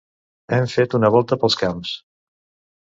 Hem fet una volta pels camps.